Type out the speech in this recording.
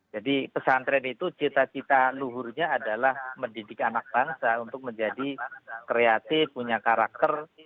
jadi pesantren itu cita cita luhurnya adalah mendidik anak bangsa untuk menjadi kreatif punya karakter